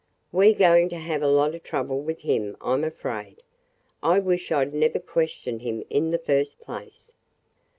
We 're going to have a lot of trouble with him, I 'm afraid. I wish I 'd never questioned him in the first place.